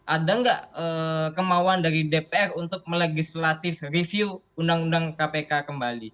ada nggak kemauan dari dpr untuk melegislatif review undang undang kpk kembali